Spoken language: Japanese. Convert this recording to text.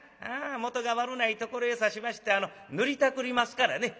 もとが悪うないところへさしまして塗りたくりますからね。